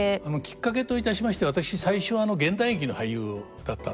きっかけといたしまして私最初は現代劇の俳優だったんですよね。